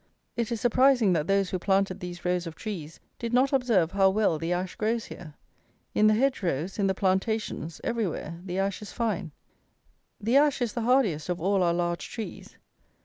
It is surprising that those who planted these rows of trees did not observe how well the ash grows here! In the hedge rows, in the plantations, everywhere the ash is fine. The ash is the hardiest of all our large trees.